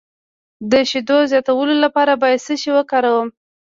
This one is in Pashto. د شیدو زیاتولو لپاره باید څه شی وکاروم؟